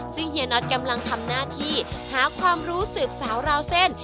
ซึ่งเฮียน็อตกำลังทำหน้าที่หาความรู้สืบสาวราวเส้น